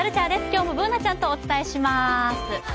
今日もＢｏｏｎａちゃんとお伝えします。